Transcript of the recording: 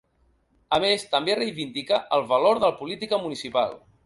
A més, també reivindica el valor de la política municipal.